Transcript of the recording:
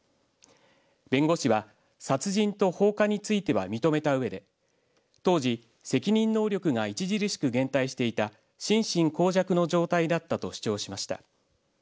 弁護士は殺人と放火については認めたうえで当時、責任能力が著しく減退していた心神耗弱の状態だったと主張しました。